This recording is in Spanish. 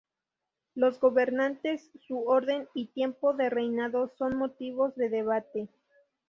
Los gobernantes, su orden y tiempo de reinado son motivo de debate.